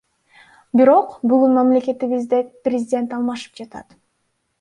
Бирок бүгүн мамлекетибизде президент алмашып жатат.